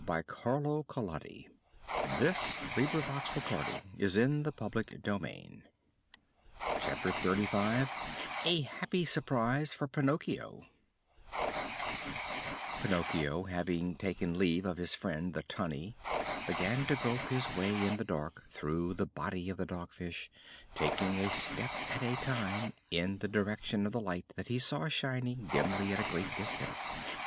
"Who can say? It is better not even to think of it!" CHAPTER XXXV A HAPPY SURPRISE FOR PINOCCHIO Pinocchio, having taken leave of his friend the Tunny, began to grope his way in the dark through the body of the Dog Fish, taking a step at a time in the direction of the light that he saw shining dimly at a great distance.